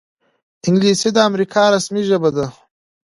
انګلیسي د امریکا رسمي ژبه ده